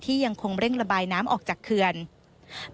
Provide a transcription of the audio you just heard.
ยังคงเร่งระบายน้ำออกจากเขื่อน